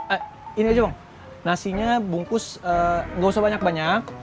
eh ini aja bang nasinya bungkus nggak usah banyak banyak